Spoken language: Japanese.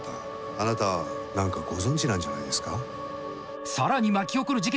あなた何かご存じなんじゃないですか？